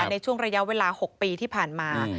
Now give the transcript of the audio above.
ในช่วงระยะเวลา๖ปีที่ผ่านมา